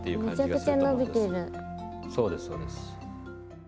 そうですそうです。